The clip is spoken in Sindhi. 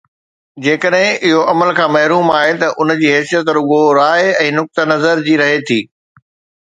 جيڪڏهن اهو عمل کان محروم آهي ته ان جي حيثيت رڳو راءِ ۽ نقطه نظر جي رهي ٿي